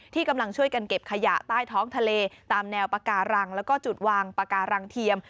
กำลังช่วยกันเก็บขยะใต้ท้องทะเลตามแนวปาการังแล้วก็จุดวางปาการังเทียม